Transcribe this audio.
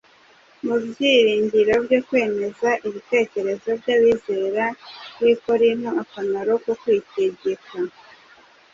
Mu byiringiro byo kwemeza ibitekerezo by’abizera b’i korinto akamaro ko kwitegeka,